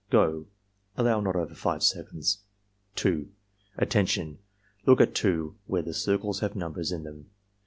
— Go!" (Allow not over 5 seconds.) 2. "Attention! Look at 2, where the circles have numbers in them.